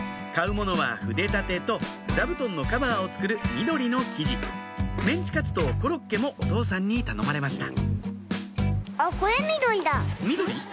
買う物は筆立てと座布団のカバーを作る緑の生地メンチカツとコロッケもお父さんに頼まれました緑？